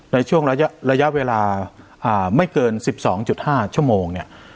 ในช่วงระยะเวลาไม่เกิน๑๒๕ชั่วโมงเนี่ย